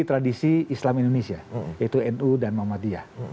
jadi tradisi islam indonesia yaitu nu dan muhammadiyah